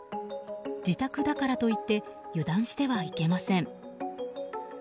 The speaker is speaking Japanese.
自宅だからといって油断してはいけません。